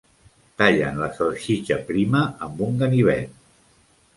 Tallen la salsitxa prima amb un ganivet.